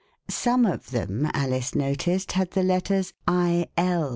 Some of them, Alice noticed, had the letters I.L."